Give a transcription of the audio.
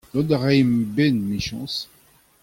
Dont a raimp a-benn, emichañs !